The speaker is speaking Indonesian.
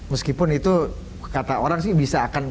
meskipun itu kata orang sih bisa akan